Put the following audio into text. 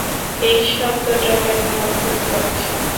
এই শব্দটা কেমন অদ্ভুত লাগছে।